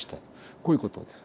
こういうことです。